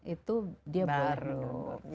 itu dia baru